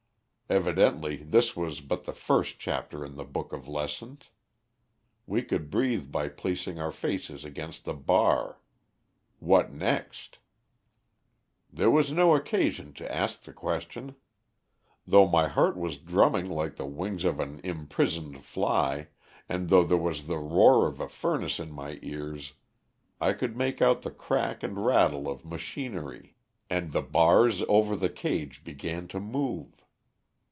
Evidently this was but the first chapter in the book of lessons. We could breathe by placing our faces against the bar. What next? "There was no occasion to ask the question. Though my heart was drumming like the wings of an imprisoned fly, and though there was the roar of a furnace in my ears, I could make out the crack and rattle of machinery, and the bars over the cage began to move.